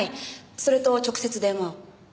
それと直接電話を。